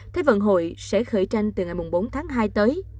thế vận hội sẽ khởi tranh từ ngày bốn tháng hai tới